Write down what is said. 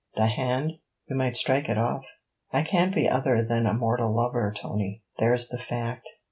'The hand? You might strike it off.' 'I can't be other than a mortal lover, Tony. There's the fact.'